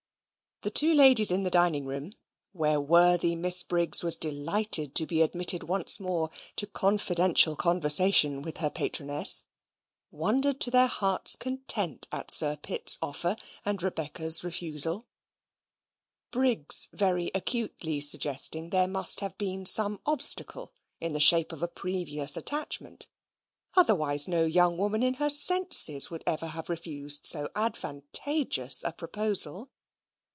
The two ladies in the dining room (where worthy Miss Briggs was delighted to be admitted once more to confidential conversation with her patroness) wondered to their hearts' content at Sir Pitt's offer, and Rebecca's refusal; Briggs very acutely suggesting that there must have been some obstacle in the shape of a previous attachment, otherwise no young woman in her senses would ever have refused so advantageous a proposal.